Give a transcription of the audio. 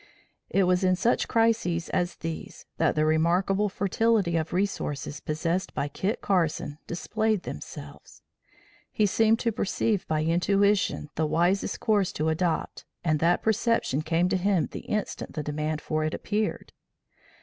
It was in such crises as these that the remarkable fertility of resources possessed by Kit Carson displayed themselves. He seemed to perceive by intuition the wisest course to adopt and that perception came to him the instant the demand for it appeared.